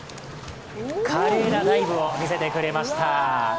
華麗なダイブを見せてくれました。